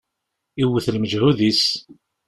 Iwwet lmeǧhud-is.